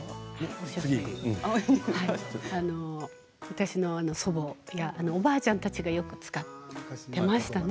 私の祖母やおばあちゃんたちがよく使っていましたね。